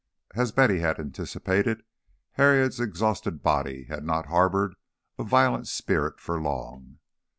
As Betty had anticipated, Harriet's exhausted body had not harboured a violent spirit for long.